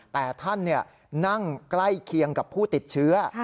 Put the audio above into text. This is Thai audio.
แต่ท่านนั่งใกล้เคียงกับผู้ติดเชื้อ